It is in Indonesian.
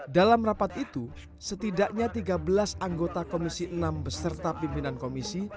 dalam rapat itu setidaknya tiga belas anggota komisi enam beserta pimpinan komisi